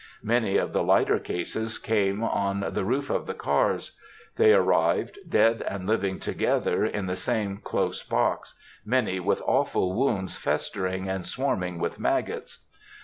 Many of the lighter cases came on the roof of the cars. They arrived, dead and living together, in the same close box, many with awful wounds festering and swarming with maggots.